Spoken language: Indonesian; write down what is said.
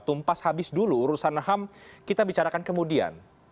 tumpas habis dulu urusan ham kita bicarakan kemudian